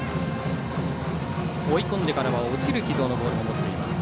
追い込んでからは落ちる軌道のボールも持っています。